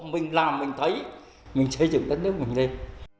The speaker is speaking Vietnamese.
mình làm mình thấy mình xây dựng đất nước mình lên